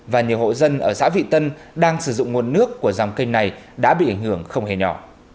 và nhiều hộ dân ở xã vị tân đang sử dụng nguồn nước của dòng kênh này đã bị ảnh hưởng không hề nhỏ